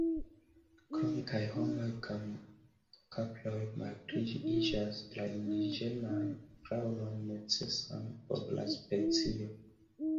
Krome kaj homoj kaj kaproj malpliiĝas la indiĝenan flaŭron necesan por la specio.